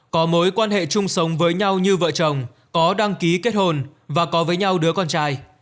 có mối quan hệ chung sống với nhau như vợ chồng có đăng ký kết hồn và có với nhau đứa con trai